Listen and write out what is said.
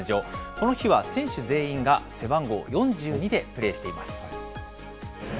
この日は選手全員が背番号４２でプレーしています。